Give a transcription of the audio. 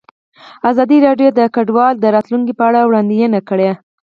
ازادي راډیو د کډوال د راتلونکې په اړه وړاندوینې کړې.